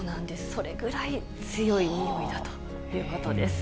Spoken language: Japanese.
それぐらい、強い臭いだということです。